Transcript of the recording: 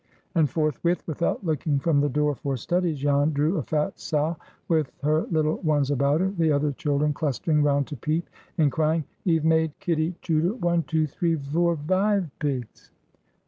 And forthwith, without looking from the door for studies, Jan drew a fat sow with her little ones about her; the other children clustering round to peep, and crying, "He've made Kitty Chuter one, two, three, vour, vive pigs!"